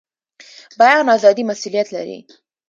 بیان ازادي مسوولیت لري